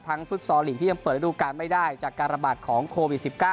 ฟุตซอลลีกที่ยังเปิดระดูการไม่ได้จากการระบาดของโควิด๑๙